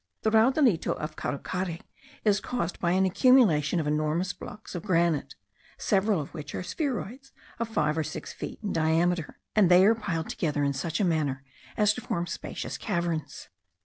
The Raudalito of Carucari is caused by an accumulation of enormous blocks of granite, several of which are spheroids of five or six feet in diameter, and they are piled together in such a manner, as to form spacious caverns.